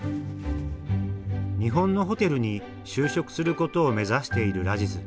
日本のホテルに就職することを目指しているラジズ。